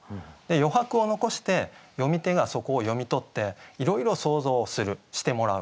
余白を残して読み手がそこを読み取っていろいろ想像をするしてもらう。